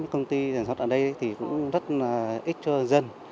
công ty sản xuất ở đây thì cũng rất là ít cho dân